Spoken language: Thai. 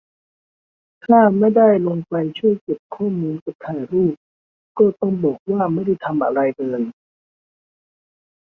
ถ้าไม่ได้ลงไปช่วยเก็บข้อมูลกับถ่ายรูป ก็ต้องบอกว่า ไม่ได้ทำอะไรเลย